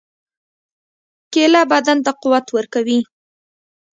کېله بدن ته قوت ورکوي.